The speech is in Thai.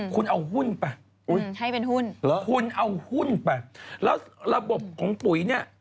คุณเอาหุ้นไปให้เป็นหุ้นคุณเอาหุ้นไปแล้วระบบของปุ๋ยเนี่ย